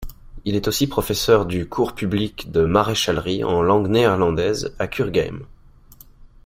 Il est aussi professeur du cours public de maréchalerie en langue néerlandaise à Cureghem.